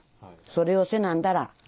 それをせなんだら